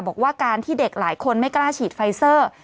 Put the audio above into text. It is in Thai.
บอกว่าการที่เด็กหลายคนไม่กล้าฉีดไฟเซอร์